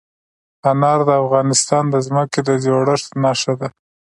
انار د افغانستان د ځمکې د جوړښت نښه ده.